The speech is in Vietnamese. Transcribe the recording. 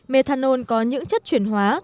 methanol có những chất chuyển hóa